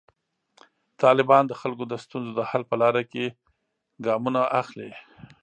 طالبان د خلکو د ستونزو د حل په لاره کې ګامونه اخلي.